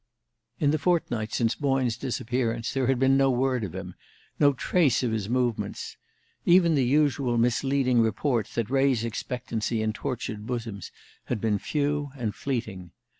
In the fortnight since Boyne's disappearance there had been no word of him, no trace of his movements. Even the usual misleading reports that raise expectancy in tortured bosoms had been few and fleeting.